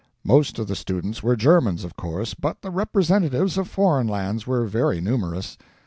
Most of the students were Germans, of course, but the representatives of foreign lands were very numerous.